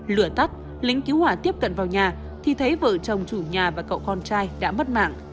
lửa tắt lính cứu hỏa tiếp cận vào nhà thì thấy vợ chồng chủ nhà và cậu con trai đã mất mạng